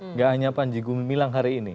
nggak hanya panji gumilang hari ini